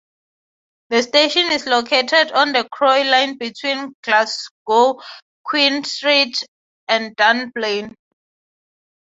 The station is located on the Croy Line between Glasgow Queen Street and Dunblane.